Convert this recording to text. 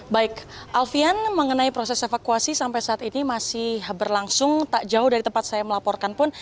baik alfian mengenai proses evakuasi sampai saat ini masih berlangsung tak jauh dari tempat saya melaporkan pun